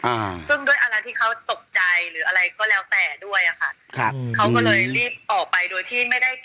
อ่าซึ่งด้วยอะไรที่เขาตกใจหรืออะไรก็แล้วแต่ด้วยอ่ะค่ะครับเขาก็เลยรีบออกไปโดยที่ไม่ได้